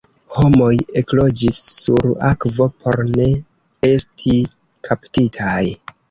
Homoj ekloĝis sur akvo por ne esti kaptitaj.